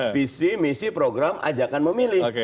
visi misi program ajakan memilih